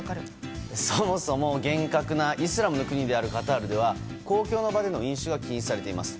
そもそも厳格なイスラムの国であるカタールでは公共の場での飲酒が禁止されています。